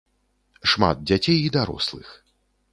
Шмат дзяцей і дарослых.